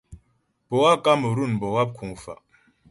Poâ Kamerun bə́ wáp kuŋ fa'.